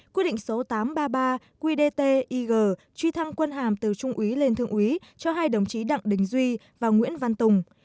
quyết định số tám trăm ba mươi ba qdtig truy thăng quân hàm từ trung úy lên thượng úy cho hai đồng chí đặng đình duy và nguyễn văn tùng